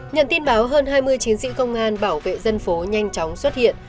nhận tin báo hơn hai mươi chiến sĩ công an bảo vệ dân phố nhanh chóng xuất hiện